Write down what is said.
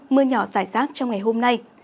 mưa nhỏ xảy ra trong ngày hôm nay